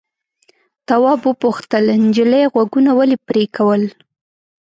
تواب وپوښتل نجلۍ غوږونه ولې پرې کول.